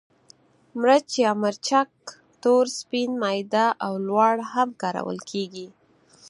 مرچ یا مرچک تور، سپین، میده او لواړ هم کارول کېږي.